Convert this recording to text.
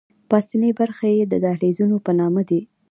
پاسنۍ برخې یې د دهلیزونو په نامه دي.